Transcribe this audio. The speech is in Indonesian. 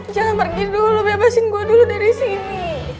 jangan pergi dulu bebasin gue dulu dari sini